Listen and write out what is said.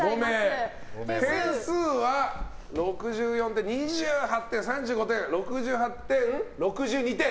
点数は６４点、２８点、３５点６８点、６２点。